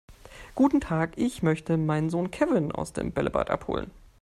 Guten Tag, ich möchte meinen Sohn Kevin aus dem Bällebad abholen.